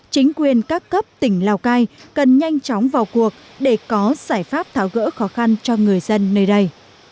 chính quyền các cấp tỉnh lào cai cần nhanh chóng vào cuộc để có giải pháp tháo gỡ khó khăn cho người dân nơi đây